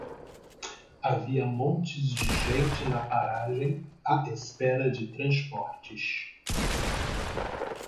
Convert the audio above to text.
Havia montes de gente na paragem à espera de transportes.